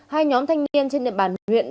hai nhóm thanh niên trên địa bàn huyện